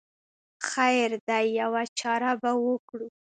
خیر دی یوه چاره به وکړو.